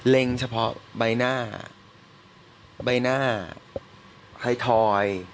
เฉพาะใบหน้าใบหน้าไฮทอย